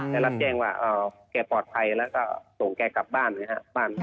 แล้วรับแจ้งว่าแกปลอดภัยแล้วก็ส่งแกกลับบ้าน